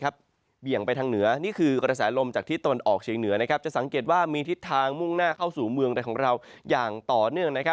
เบี่ยงไปทางเหนือนี่คือกระแสลมจากทิศตะวันออกเฉียงเหนือจะสังเกตว่ามีทิศทางมุ่งหน้าเข้าสู่เมืองในของเราอย่างต่อเนื่อง